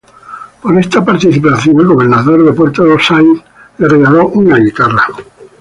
Por esta participación, el gobernador de Puerto Saíd le regaló una guitarra.